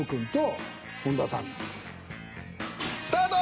スタート。